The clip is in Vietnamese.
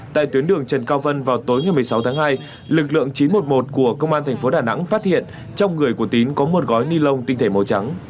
tại tuyến đường trần cao vân vào tối ngày một mươi sáu tháng hai lực lượng chín trăm một mươi một của công an tp đà nẵng phát hiện trong người của tín có một gói ni lông tinh thể màu trắng